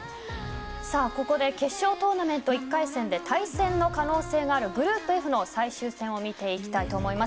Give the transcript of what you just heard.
さあ、ここで決勝トーナメント１回戦で対戦の可能性があるグループＦの最終戦を見ていきたいと思います。